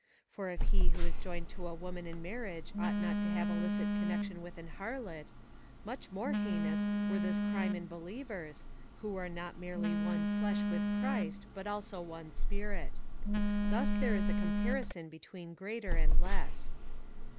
For if he who is joined to a Avoman in marriage ought not to have illicit connection with an harlot, much more heinous were this crime in believers, who are not merely one flesh with Christ, but also one spirit. Thus there is a comparison between greater and less.